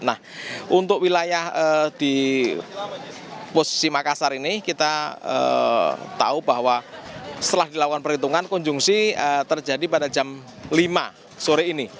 nah untuk wilayah di posisi makassar ini kita tahu bahwa setelah dilakukan perhitungan konjungsi terjadi pada jam lima sore ini